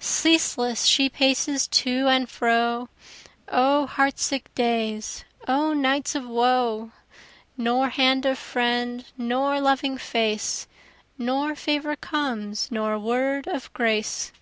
Ceaseless she paces to and fro, O heart sick days! O nights of woe! Nor hand of friend, nor loving face, Nor favor comes, nor word of grace.